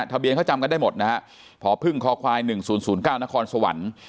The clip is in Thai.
ทะเบียนเขาจำกันได้หมดนะฮะพอพึ่งคอควายหนึ่งศูนย์ศูนย์เก้านครสวรรค์